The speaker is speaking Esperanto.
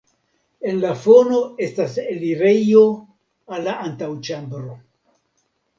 En la fono estas elirejo al la antaŭĉambro.